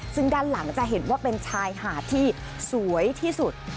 ซึ่งด้านหลังจะเห็นว่าเป็นชายหาดที่สวยที่สุด